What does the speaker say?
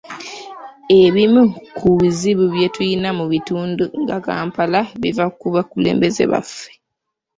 Ebimu ku bizibu bye tulina mu bitundu nga Kampala biva ku bakulembeze baffe.